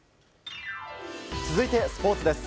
続いてスポーツです。